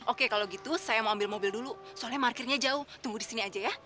oke kalau gitu saya mau ambil mobil dulu soalnya markernya jauh tunggu di sini aja ya iya itu putri